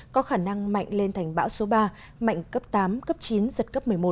có khả năng mạnh lên thành bão số ba mạnh cấp tám cấp chín giật cấp một mươi một